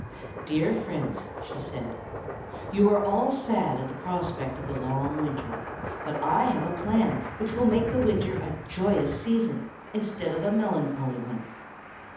"Dear friends," she said, "you are all sad at the prospect of the long winter; but I have a plan which will make the winter a joyous season, instead of a melancholy one.